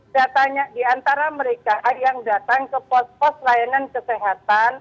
saya tanya di antara mereka yang datang ke pos pos layanan kesehatan